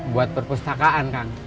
buat perpustakaan kan